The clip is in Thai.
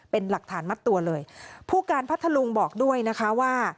เป็นหลักฐานมัดตัวเลยผู้การพัทธลุงบอกด้วยนะคะว่า